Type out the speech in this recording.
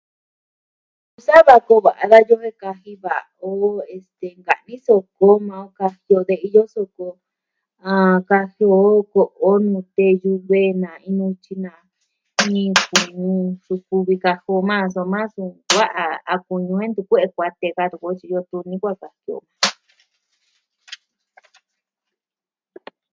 Sa va ku'u va da yu've kaji va o, este, nka'ni soko maa o kaji a de iyo soko. A kaji o ko'o nute yu've, nutyi na. Niko nuu su kuvi kaji o maa soma, a t kunu ntu kue'e kuatee da tuku tyi iyo tuni kuaa kaji o.